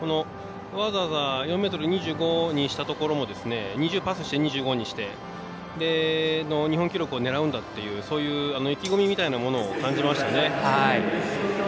わざわざ、４ｍ２５にしたところパスして２５にして日本記録を狙うんだっていうそういう意気込みも感じましたね。